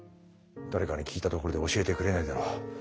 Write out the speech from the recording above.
誰かに聞いたところで教えてくれないだろう。